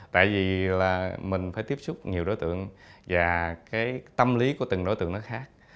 tại vì là mình phải tiếp xúc nhiều đối tượng và cái tâm lý của từng đối tượng nó khác